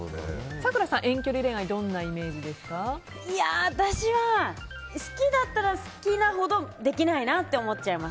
咲楽さんは遠距離恋愛いや、私は好きだったら好きなほど、できないなって思っちゃいます。